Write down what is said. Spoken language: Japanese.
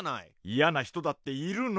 嫌な人だっているの。